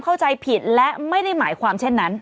เข้าใจผิดและไม่ได้หมายความเช่นนั้น